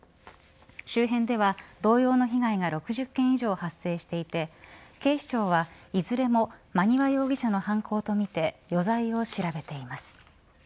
周辺では同様の被害が６０件以上発生していて警視庁はいずれも馬庭容疑者の犯行とみて余罪を調べています。